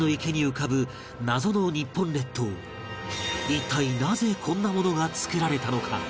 一体なぜこんなものが作られたのか？